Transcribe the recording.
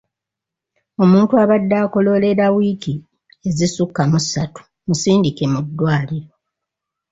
Omuntu abadde akololera wiiki ezisukka mu ssatu musindike mu ddwaliro.